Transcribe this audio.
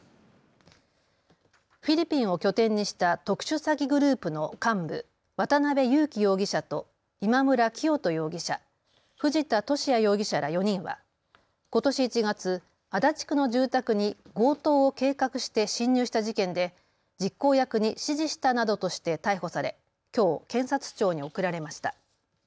フィリピンを拠点にした特殊詐欺グループの幹部、渡邉優樹容疑者と今村磨人容疑者、藤田聖也容疑者ら４人はことし１月、足立区の住宅に強盗を計画して侵入した事件で実行役に指示したなどとして逮捕されきょう検察庁に送られました。